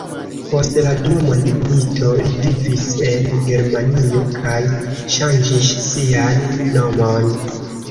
Post la dua mondmilito li vivis en Germanio kaj ŝanĝis sian nomon.